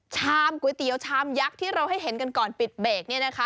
ชามก๋วยเตี๋ยวชามยักษ์ที่เราให้เห็นกันก่อนปิดเบรกเนี่ยนะคะ